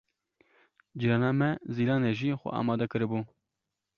Cîrana me Zîlanê jî xwe amade kiribû.